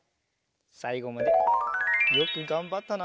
さいごまでよくがんばったな！